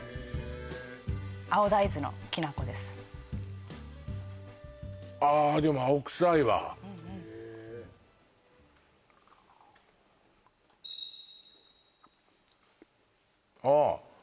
青大豆のきな粉ですあでも青くさいわああ